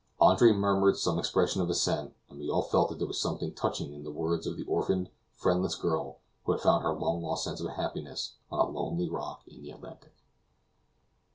Andre murmured some expression of assent, and we all felt that there was something touching in the words of the orphaned, friendless girl who had found her long lost sense of happiness on a lonely rock in the Atlantic.